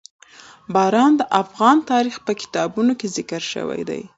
باران د افغان تاریخ په کتابونو کې ذکر شوی دي.